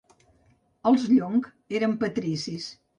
Els Llong eren patricis.